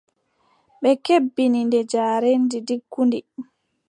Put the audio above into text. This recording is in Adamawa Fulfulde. Ɓe kebbini nde njaareendi ɗiggundi.